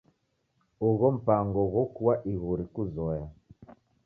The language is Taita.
Ugho mpango ghokua iguri kuzoya.